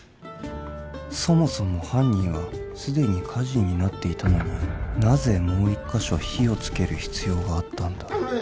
そもそも犯人は既に火事になっていたのになぜもう１カ所火をつける必要があったんだええ？